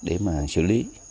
để mà xử lý